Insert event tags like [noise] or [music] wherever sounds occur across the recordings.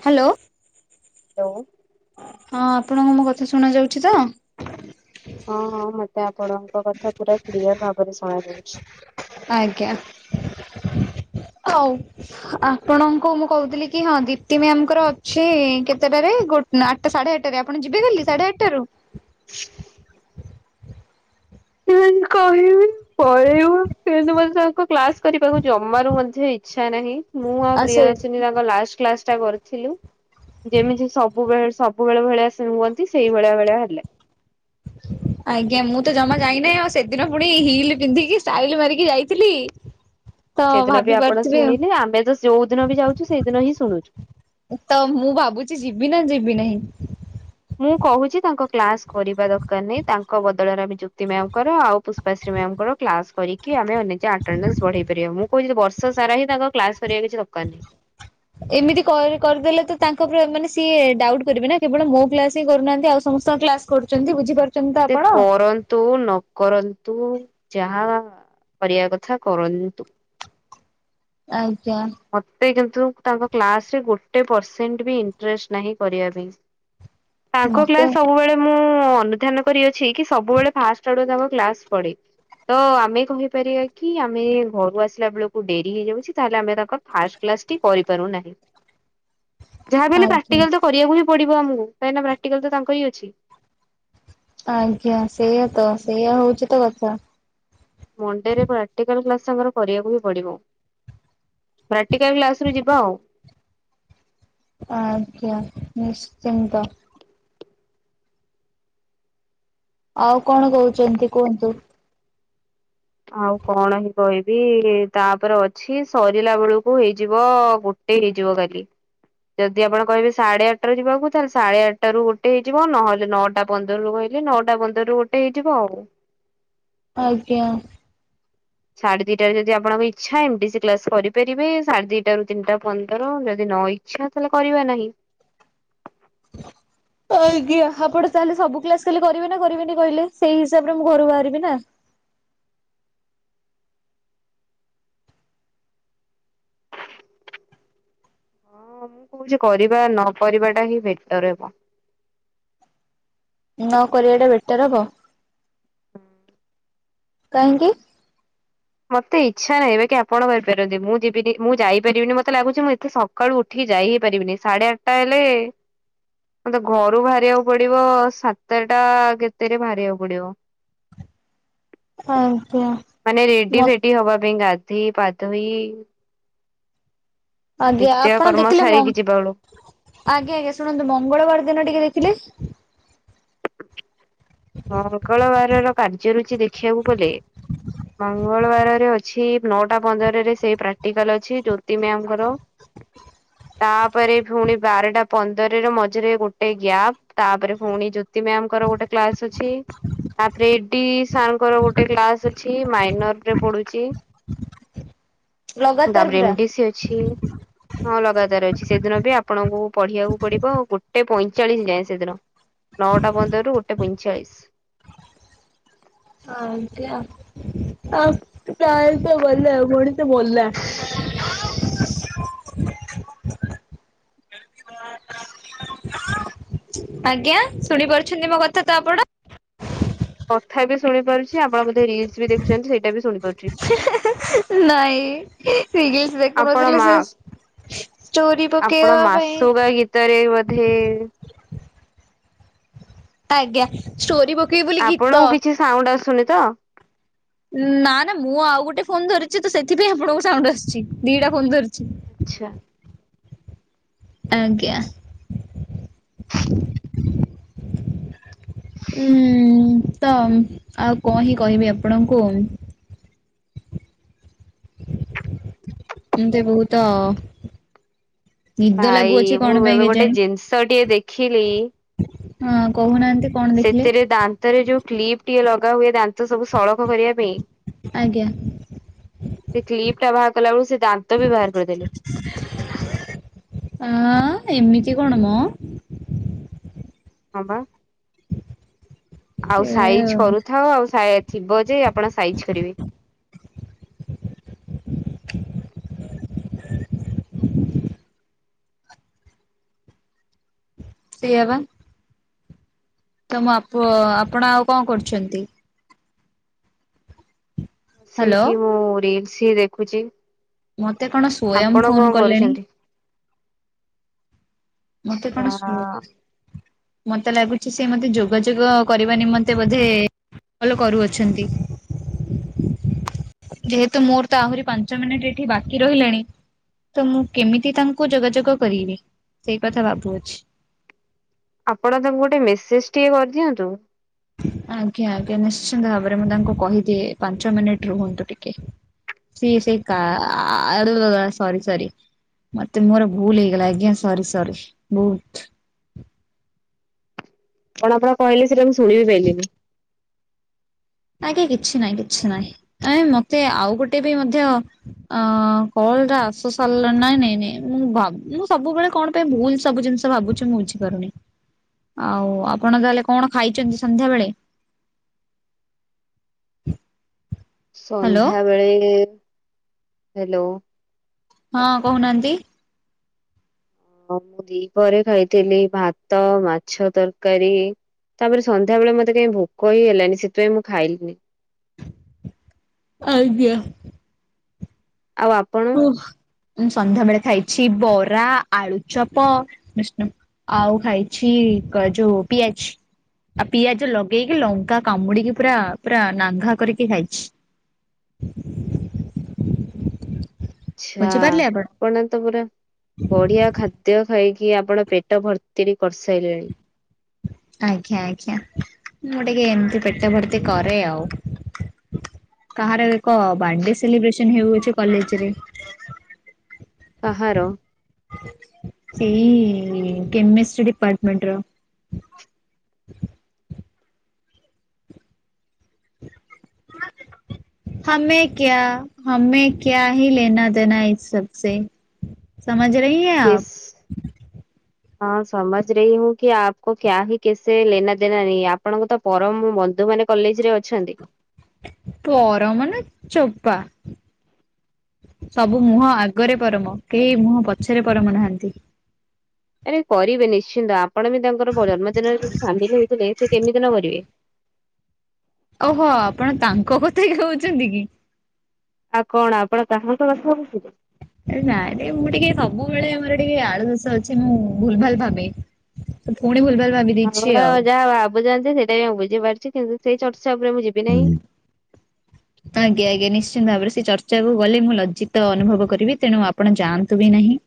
Hello. ଆଉ ହଁ ଆପଣଙ୍କୁ ମୋ କଥା ଶୁଣା ଯାଉଛି ତ? ହଁ ହଁ ମତେ ଆପଣଙ୍କ କଥା ପୁରା କ୍ଲିଅର ଭାବରେ ଶୁଣାଯାଉଛି। ଆଜ୍ଞା ହଉ। ଆପଣଙ୍କୁ ମୁଁ କହୁଥିଲି କି ହଁ ଦିପ୍ତି ମ୍ୟାାମଙ୍କର ଅଛି କେତେଟାରେ ଗୋ ନା ଆଠଟା ସାଢେ ଆଠଟାରେ ଆପଣ ଯିବେ କାଲି ସାଢେ ଆଠଟାରୁ? [unintelligible] କହିବି ପଳେଇବୁ କିନ୍ତୁ ମତେ ତାଙ୍କ କ୍ଲାସ କରିବାକୁ ଜମାରୁ ମଧ୍ୟ ଇଛା ନାହିଁ ମୁଁ ଆଉ ପ୍ରିୟଦର୍ଶନୀ ତାଙ୍କ ଲାଷ୍ଟ କ୍ଲାସ ଟା କରି ଥିଲୁ ଯେମିତି ସବୁବେଳେ ସବୁବେଳେ ଭଳିଆ ସେ ହୁଅନ୍ତି ସେଇଭଳିଆ ଭଳିଆ ହେଲେ। [unintelligible] ଆଜ୍ଞା ମୁଁ ତ ଜମା ଯାଇନାହିଁ ଆଉ ସେଦିନ ପୁଣି ହିଲ୍ ପିନ୍ଧିକି ଷ୍ଟାଇଲ୍ ମାରିକି ଯାଇଥିଲି। ତ ସେଦିନ ଭାବି ବି ଆପଣ ପାରୁଥିବେ ଆଉ। ଶୁଣିଲେ। ଆମେତ ଯୋଉ ଦିନ ବି ଯାଉଛୁ ସେଇଦିନ ହିଁ ଶୁଣୁଛୁ। ଉ ତ ମୁଁ ଭାବୁଛି ଯିବି ନା ଯିବି ନାହିଁ? ମୁଁ କହୁଛି ତାଙ୍କ କ୍ଲାସ କରିବା ଦରକାର ନାହିଁ। ତାଙ୍କ ବଦଳରେ ଆମେ ଯୁକ୍ତିମ୍ୟାମ କର ଆଉ ପୁସ୍ ଶ୍ରୀ ମ୍ୟାମଙ୍କର କ୍ଲାସ କରିକି ଆମେ ଅନେକ ଆଟେଣ୍ଡନସ୍ ବଢେଇ ପାରିବା। ମୁଁ କହୁଛିି ବର୍ଷ ସାରା ହି ତାଙ୍କ କ୍ଲାସ କରିବା କିଛି ଦରକାର ନାହିଁ। ଏମିତି କର କରିଦେଲେ ତ ତାଙ୍କ ପ ମାନେ ସିଏ ଡାଉଟ୍ କରିବେ ନା। କେବଳ ମୋ କ୍ଲାସ ହିଁ କରୁନାହାନ୍ତି ଆଉ ସମସ୍ତଙ୍କ କ୍ଲାସ କରୁଛନ୍ତି ବୁଝିପାରୁ ସେ କରନ୍‌ ତୁ ନକରନ୍ତୁ। ଯାହା କରିବା କଥା କରନ୍ତୁ। ଆଜ୍ଞା। ମତେ କିନ୍ତୁ ତାଙ୍କ କ୍ଲାସରେ ଗୋଟେ ପରସେଣ୍ଟ ବି ଇଣ୍ଟେରେଷ୍ଟ ନାହିଁ କରିବା ପାଇଁ। ତାଙ୍କ ମତେ କ୍ଲାସ ସବୁବେଳେ ମୁଁ ଅନୁଧ୍ୟାନ କରିଅଛି କି ସବୁବେଳେ ଫାଷ୍ଟଆଡୁ ତାଙ୍କ କ୍ଲାସ ପଢେ। ତ ଆମେ କହିପାରିବାକି ଆମେ ଘରୁ ଆସିଲା ବେଳକୁ ଡେରି ହେଇଯାଉଛି। ତାହେଲେ ଆମେ ତା ତ୍ ଫାର୍ଷ୍ଟ କ୍ଲାସଟି କରିପାରୁନାହିଁ। ଯାହାବି ହେଲେ ଆଜ୍ଞା ପ୍ରାକ୍ଟିକାଲତ କରିବାକୁ ହି ପଡିବ ଆମକୁ। କାହିଁକିନା ପ୍ରାଟିକାଲ ତ ତାଙ୍କର ହିଁ ଅଛି। ଆଜ୍ଞା ସେଇଆତ ସେଇଆ ହଉଛି ତ କଥା। ମଣ୍ଡେରେ ପ୍ରାକ୍ଟିକାଲ କ୍ଲାସ ଆମର କରିବାକୁ ବି ପଡିବ। ପ୍ରାକ୍ଟିକାଲ କ୍ଲାସ ରେ ଯିବା ଆଉ। ଆଜ୍ଞା ନିଶ୍ଚିନ୍ତ। ଆଉ କଣ କହୁଛନ୍ତି କୁହନ୍ତୁ? ଆଉ କଣହିଁ କହିବି ତାପରେ ଅଛି ସରିଲା ବେଳକୁ ହେଇଯିବ ଗୋ ଟେ ହେଇଯିବ ଗଲି। ଯଦି ଆପଣ କହିବେ ସାଢେଆଟାରେ ଯିବାକୁ ତାହେଲେ ସାଢ଼େଆଠଟାରୁ ଗୋଟେ ହେଇଯିବ ନହଲେ ନଅଟା ପନ୍ଦରରୁ କହିଲେ ନଅଟା ପନ୍ଦରରୁ ଗୋଟେ ହେଇଯିବ ଆଉ। ଆଜ୍ଞା। ସାଢେ ଦିଟାରେ ଯଦି ଆପଣଙ୍କ ଇଚ୍ଛା ଏମିତି ସେ କ୍ଲାସ କରିପାରିବେ। ସାଢେ ଦିଟା ରରୁ ତିନିଟା ପନ୍ଦର ଯଦି ନଇ ଛା ତାହାଲେ କରିବା ନାହିଁ। [inaudible] ଆଜ୍ଞା। ଆପଣ ତାହେଲେ ସବୁ କ୍ଲାସ କାଲି କରିବେ ନା କରିବେନି କହିଲେ? ସେଇ ହିସାବରେ ମୁଁ ଘରୁ ବାହାରିବି ନା। ହଁ ମୁଁ କହୁଚି କରିବା ନକରିବା ଟା ହିଁ ବେଟର ହେବ। ନକରିବା ଟା ବେଟର ହେବ। [inaudible] କାହିଁକି? ମତେ ଇଚ୍ଛାନାହିଁ। ବାକି କି ଆପଣ ଯାଇପାରନ୍ତି। ମୁଁ ଯିବିନି ମୁଁ ଯାଇପାରିବିନି ମତେ ଲାଗୁଛି ମୁଁ ଏତେ ସ ସକାଳୁ ଉଠିକି ଯାଇହିଁ ପାରିବିନି। ସାଢେ ଆଠଟା ହେଲେ ମତେ ଘରୁ ବାହାରିବାକୁ ପଡିବ, ସାତଟା କେତେରେ ବାହାରିବାକୁ ପଡିବ। ଆଜ୍ଞା। ମାନେ ମ ରେଡି ହବା ପାଇଁ ଗାଧୋଇ ପାଧୋଇ ଆଜ୍ଞା। ନିତ୍ୟ ଆପଣ କର୍ମ ଦେଖିଲେ ସାରିକି ଯିବା ବେଳୁ ମଙ୍ଗ, ଆଜ୍ଞା ଆଜ୍ଞା ଶୁଣନ୍ତୁ ମଙ୍ଗଳବାର ଦିନ ଟିକେ ଦେଖିଲେ। ମଙ୍ଗଳବାରର କାର୍ଯ୍ୟରୁଚି ଦେଖିବାକୁ ଗଲେ ମଙ୍ଗଳବାରରେ ଅଛି ନଅଟା ପନ୍ଦରରେ ସେଇ ପ୍ରାକ୍ଟିକାଲ ଅଛି ଜ୍ୟୋତି ମ୍ୟାମ୍ ଙ୍କର। [inaudible] ତାପରେ ପୁଣି ବାରଟା ପନ୍ଦରରେ ମଝିରେ ଗୋଟେ ଗ୍ୟାପ୍। ତାପରେ ପୁଣି ଜ୍ୟୋ ତି ମ୍ୟାମ୍ ଙ୍କର ଗୋଟେ କ୍ଲାସ୍ ଅଛି। ତାପରେ ଇଡି ସାର୍ ଙ୍କର ଗୋଟେ କ୍ଲାସ୍ ଅଛି। ମାଇନରରେ ପଡୁଚି। [inaudible] ଲଗାତାର ତାପରେ ପୁରା। ଏମ୍ଡିସି ଅଛି। ହଁ ଲଗାତାର ଅଛି। ସେଦିନ ବି ଆପଣଙ୍କୁ ପଢିବାକୁ ପଡିବ ଗୋଟେ ପଇଁଚାଳିଶ ଯାଏଁ ସେଦିନ। ନଅଟା ପନ୍ଦରରୁ ଗୋଟେ ପଇଁଚାଳିଶ। ଆ ଏମତି ଆଉ। ପ୍ରାୟ ତ ଗଲା ମଣିଷ ମଲା। ଆଜ୍ଞା। ଶୁଣି ପାରୁଛନ୍ତି ମୋ କଥା ତ ଆପଣ? କଥା ବି ଶୁଣିପାରୁଚି, ଆପଣ ବୋଧେ ରିଲସ୍ ବି ଦେଖୁଛନ୍ତି ସେଇଟା ବି ଶୁଣିପାରୁଚି। ନାଇଁ। [unintelligible] ଆପଣ ଦେଖୁନଥିଲି ମା ସେ ଚୋରି ପକେଇବା ପାଇଁ ସତରେ ବୋଧେ ଆଜ୍ଞା। ଷ୍ଟୋରୀ ପକେଇବୁ। ଆପଣଙ୍କୁ କିଛି ସାଉଣ୍ଡ ଆସୁନି ତ? ନା ନା ମୁଁ ଆଉ ଗୋଟେ ଫୋନ୍ ଧରିଚି ତ ସେଥିପାଇଁ ଆପଣଙ୍କୁ ସାଉଣ୍ଡ ଆସୁଚି। ଦିଟା ଫୋନ୍ ଧରିଚି। ଆଚ୍ଛା। ଆଜ୍ଞା। ଉଁ ତ ଆଉ କଣ ହିଁ କହିବି ଆପଣଙ୍କୁ। ମୋତେ ବହୁତ ନିଦ ଭାଇ ଲାଗୁଅଛି ମୁଁ କଣ ପାଇଁ ଏବେ ଗୋଟେ କେଜାଣି। ଜିନିଷଟିଏ ଦେଖିଲି ହଁ କହୁନାହାନ୍ତି। କଣ ଦେଖିଲେ? ସେଥିରେ ଦାନ୍ତରେ ଯୋଉ କ୍ଲିପ୍ ଟିଏ ଲଗା ହୁଏ ଦାନ୍ତ ସବୁ ସଳଖ କରିବା ପାଇଁ ଆଜ୍ଞା ସେଇ କ୍ଲିପ୍ ଟା ବାହାର କଲା ବେଳକୁ ସେ ଦାନ୍ତ ବି ବାହାର କରିଦେଲେ। ଆଁ ଏମିତି କଣ ମ। ହଁ ପା। ଆଉ ଏ ସାଇଜ୍ କରୁଥାଅ ଆଉ ସାଏ ଥିବ ଯେ ଆପଣ ସାଇଜ୍ କରିବେ। ସେଇଆ ପା। ତ ମୁଁ ଆପ ଆପଣ ଆଉ କଣ କରୁଛନ୍ତି? ହ୍ୟାଲୋ ସେଇଠି ମୁଁ ରେସି ଦେଖୁଛି। ମତେ କଣ ସ୍ଵୟଂ ଆପଣ ଫୋନ କଣ କଲେଣି କରୁଛନ୍ତି? ମତେ ଆଚ୍ଛା କଣ ସ୍ମୁଥ ମତେ ଲାଗୁଛି ସେ ମୋତେ ଯୋଗାଯୋଗ କରିବା ନିମନ୍ତେ ବୋଧେ ଫୋଲୋ କରୁଅଛନ୍ତି। ଯେହେତୁ ମୋର ତ ଆହୁରି ପାଞ୍ଚ ମିନିଟ ଏଠି ବାକି ରହିଲାଣି। ତ ମୁଁ କେମିତି ତାଙ୍କୁ ଯୋଗାଯୋଗ କରିବି ସେଇ କଥା ଭାବୁଅଛି। ଆପଣ ତାଙ୍କୁ ଗୋଟେ ମେସେଜ ଟିକେ କରିଦିଅନ୍ତୁ? ଆଜ୍ଞା ନିଶ୍ଚିନ୍ତ ଭାବରେ ମୁଁ ତାଙ୍କୁ କହିଦିଏ ପାଞ୍ଚ ମିନିଟ ରୁହନ୍ତୁ ଟିକେ। ସି ସେ କା [inaudible] ସରି ସରି। ମତେ ମୋର ଭୁଲ ହୋଇଗଲା ଆଜ୍ଞା ସାରି ସରି ବହୁତ କଣ ଆପଣ କହିଲେ ସେଟା ମୁଁ ଶୁଣି ବି ପାଇଲିନି? ଆଜ୍ଞା କିଛି ନାହିଁ କିଛି ନାହିଁ ଏ ମତେ ଆଉ ଗୋଟେ ବି ମଧ୍ୟ ଅ କଲ ଟା ଆସ ସାରିଲାଣି ନାଇଁ ନାଇଁ ନାଇଁ ମୁଁ ଭାବ ମୁଁ ସବୁବେଳେ କଣ ଭୁଲ ସବୁ ଜିନିସ ଭାବୁଛି ମୁ ବଝିପାରୁନି। ଆଉ ଆପଣ ତାହେଲେ କଣ ଖାଇଛନ୍ତି ସନ୍ଧ୍ୟାବେଳେ? ହ୍ୟାଲୋ ସନ୍ଧ୍ୟାବେଳେ ହେଲୋ? ହଁ କହୁନାହାନ୍ତି। ହଁ ମୁଁ ଦିପରେ ଖାଇଥିଲି ଭାତ ମାଛ ତରକାରୀ ତାପରେ ସନ୍ଧ୍ୟାବେଳେ ମତେ କାଇ ଭୋକ ହିଁ ହେଲାନି ସେଥିପାଇଁ ମୁଁ ଖାଇଲିନି। ଆଜ୍ଞା। ଆଉ ଆପଣ ମୁଁ ସନ୍ଧ୍ୟାବେଳେ ଖାଇଛି ବରା ଆଳୁଚପ ବିଷ୍ଣୁ ଆଉ ଖାଇଛି ଯୋଉ ପିଆଜି। ଆଉ ପିଆଜ ଲଗେଇକି ଲଙ୍କା କାମୁଡିକି ପୁରା ପୁରା ନାଘା କରିକି ଖାଇଛି। [unintelligible] ଆଛା ଆପଣ ତ ପୁରା ବଢିଆ ଖାଦ୍ୟ ଖାଇକି ଆପଣ ପେଟ ଭର୍ତ୍ତିରି କରିସାଇଲେଣି। ଆଜ୍ଞା, ଆଜ୍ଞା ମୁଁ ଟିକେ ଏମିତି ପେଟ ଭର୍ତ୍ତି କରେ, ଆଉ। କାହାର ଏକ ବାର୍ଥଡେ ସେଲିବ୍ରେସନ ହେଉଅଛି କଲେଜରେ। କାହାର? ସେଇ କେମେଷ୍ଟ୍ରି ଡିପାର୍ଟମେଣ୍ଟ ର। [unintelligible] [unintelligible] [unintelligible] [unintelligible] [inaudible] [unintelligible] ଆପଣଙ୍କୁ ତ ପରମ ମଧୁ ମାନେ କଲେଜ ରେ ଅଛନ୍ତି। ପରମ ନା ଚୋପା। ସବୁ ମୁହଁ ଆଗରେ ପରମ। କେହି ମୁହଁ ପଛରେ ପରମ ନାହାନ୍ତି। ଆରେ, କରିବେ ନିଶ୍ଚିନ୍ତ। ଆପଣ ବି ତାଙ୍କର ଜନ୍ମଦିନରେ ସାମିଲ ହେଇଥିଲେ। ସେ କେମିତି ନ ମରିବେ। ଓହୋ, ଆପଣ ତାଙ୍କ କଥା କହୁଛନ୍ତି କି? ଆଉ କଣ, ଆପଣ କହାଙ୍କ କଥା ହଉଛୁ? ଆରେ, ନାଇଁ ରେ ମୁଁ ଟିକେ ସବୁବେଳେ, ଆମର ଟିକେ ଆଳୁ ଦୋଷ ଅଛିମୁଁ ଭୁଲ-ଭାଲ୍ ଭାବେ। ତୁ ପୁଣି ଭୁଲ-ଭାଲ ଭାବି ଦେଇଛି ଆପଣ ଆଉ। ଯାହା ଭାବୁଚନ୍ତି, ସେଇଟା ବି ମୁଁ ବୁଝିପାରୁଛି। କିନ୍ତୁ, ସେଇ ଚର୍ଚ୍ଚା ଉପରେ ମୁଁ ଯିବି ନାହିଁ। ଆଜ୍ଞା, ଆଜ୍ଞା, ନିଶ୍ଚିନ୍ତ ଭାବରେ। ସେ ଚର୍ଚ୍ଚାକୁ ଗଲେ, ମୁଁ ଲଜ୍ଜିତ ଅନୁଭବ କରିବି। ତେଣୁ ଆପ ଆପଣ ଯାଆନ୍ତୁ ବି ନାହିଁ।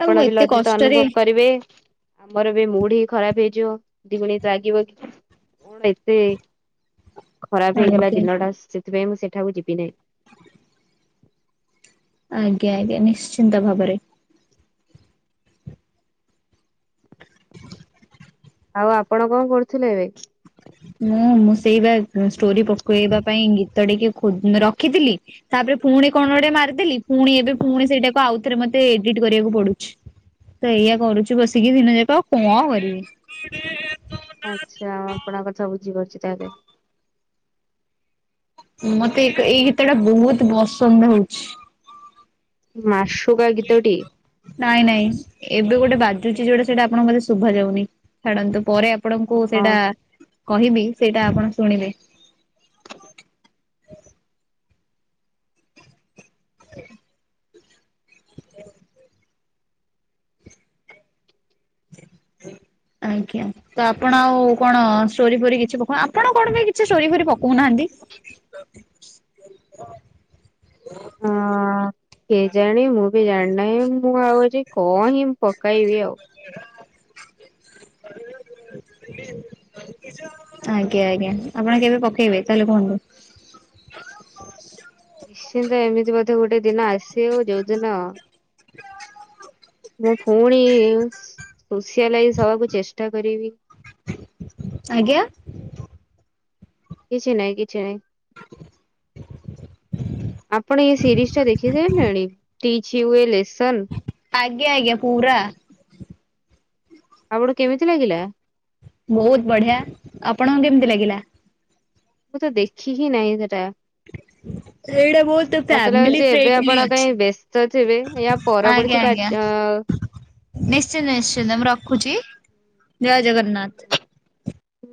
ଆଉ ମୁଁ ବି ଏତେ ଲଜ୍ଜିତ କଷ୍ଟରେ ଅନୁଭବ କରିବେ। ଆମର ବି ମୁଡ୍‌ ହିଁ ଖରାପ ହେଇଯିବ। ଦିଗୁଣି ରାଗିବ କି? କଣ ଏତେ ଖରାପ ହେଇଗଲା ଆଜ୍ଞା ଦିନଟା। ସେଥିପାଇଁ, ମୁଁ ସେଠାକୁ ଯିବି ନାଇଁ। ଆଜ୍ଞା, ଆଜ୍ଞା, ନିଶ୍ଚିନ୍ତ ଭାବରେ। [inaudible] ଆଉ, ଆପଣ କଣ କରୁଥିଲେ ଏବେ? ମୁଁ, ମୁଁ ସେଇ ବା ଷ୍ଟୋରି ପକେଇବା ପାଇଁ ଗୀତ ଟିକେ ଖୋ- ରଖିଥିଲି। ତାପରେ, ପୁଣି କଣ ଗୋଟେ ମାରିଦେଲି। ପୁଣି ଏବେ ପୁଣି ସେଇଟାକୁ ଆଉଥରେ ମତେ ଏଡିଟ କରିବାକୁ ପଡୁଛି। ସେଇଆ କରୁଛି ବସିକି ଦିନ ଯାକ। ଆଉ କଣ କରିବି? ଆଚ୍ଛା। ଆପଣଙ୍କ କଥା ବୁଝିପାରୁଛି ତାହେଲେ। ମତେ ଏଇ ଗୀତଟା ବହୁତ ପସନ୍ଦ ହଉଛି। ମାସୁକା ଗୀତଟି। ନାଇଁ, ନାଇଁ। ଏବେ ଗୋଟେ ବାଜୁଛି, ଯୋଉଟା, ସେଇଟା ଆପଣଙ୍କୁ ବୋଧେ ଶୁଭା ଯାଉନି। ଛାଡନ୍ତୁ, ପରେ ଆପଣଙ୍କୁ ହଁ ସେଇଟା କହିବି, ସେଇଟା ଆପଣ ଶୁଣିବେ। [inaudible] ଆଜ୍ଞା। ତ, ଆପଣ ଆଉ କଣ, ଷ୍ଟୋରି-ଫୋରି କିଛି ପକ ଆପଣ କଣ ପାଇଁ କିଛି ଷ୍ଟୋରି-ଫୋରି ପକଉନାହାଁନ୍ତି? [inaudible] ହଁ। କେଜାଣି, ମୁଁ ବି ଜାଣିନାହିଁ। ମୁଁ ଆଉ ଅଛି, କହିଁ ପକାଇବି ଆଉ। [inaudible] [unintelligible] ଆଜ୍ଞା, ଆଜ୍ଞା। ଆପଣ କେବେ ପକେଇବେ? ତାହେଲେ କୁହନ୍ତୁ? ନିଶ୍ଚିନ୍ତ, ଏମିତି ବୋଧେ ଗୋଟେ ଦିନ ଆସିବ, ଯୋଉଦିନ [inaudible] ମୁଁ ଫୁଣି ସୋସିଆଲାଇଜ ହବାକୁ ଚେଷ୍ଟା କରିବି। ଆଜ୍ଞା। କିଛି ନାଇଁ, କିଛି ନାଇଁ। ଆପଣ ଏ ସିରିଜଟା ଦେଖି ସାରିଲେଣି? Teach you a lesson. ଆଜ୍ଞା, ଆଜ୍ଞା, ପୁରା। ଆପଣଙ୍କୁ କେମିତି ଲାଗିଲା? ବହୁତ ବଢିଆ ଆପଣଙ୍କୁ କେମିତି ଲାଗିଲା? ମୁଁ ତ ଦେଖିହିଁ ନାଇଁ ସେଟା। [unintelligible] ସେଇଟା ବହୁତ ମତେ ଫାମିଲି ଲାଗୁଛି ଏବେ ଫ୍ରେଣ୍ଡଲି ଆପଣ କାହିଁ ବ୍ୟସ୍ତ ଥିବେ ୟା ଅଛି ପରବର୍ତ୍ତୀ ଆଜ୍ଞା ଆଜ୍ଞା। କାର୍ଯ୍ୟ ନିଶ୍ଚିନ୍ତ ନିଶ୍ଚିନ୍ତ ମୁଁ ରଖୁଛି ଜୟ ହୁଁ ଜଗନ୍ନାଥ। ହୁଁ ହୁଁ